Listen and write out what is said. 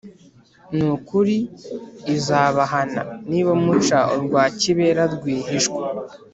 Ni ukuri izabahana, Niba muca urwa kibera rwihishwa.